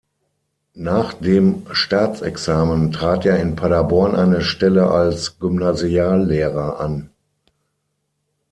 Nach dem Staatsexamen trat er in Paderborn eine Stelle als Gymnasiallehrer an.